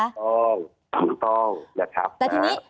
ถูกต้องถูกต้องนะครับ